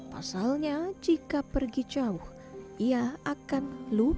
pasalnya jika pergi jauh ia akan menghidupi rumah